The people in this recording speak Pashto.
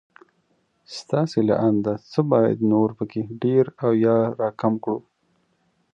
ستاسې له انده څه بايد نور په کې ډېر او يا را کم کړو